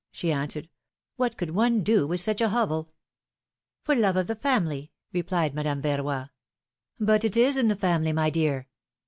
she answered. What could one do with such a hovel?" ^^For love of the family," replied Madame Yerroy. But it is in the family, my dear